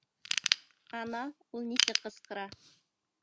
Ана, ул нисек ҡысҡыра.